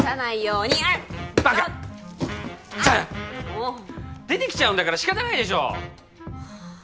もう出てきちゃうんだから仕方ないでしょ！